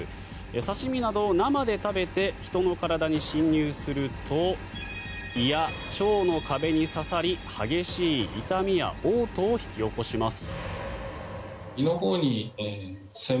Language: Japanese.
刺し身など、生で食べて人の体に侵入すると胃や腸の壁に刺さり激しい痛みやおう吐を引き起こします。